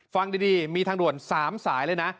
ฟังดีมีทางด่วน๓สายเลยนะ